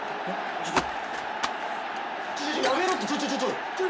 ちょちょっ。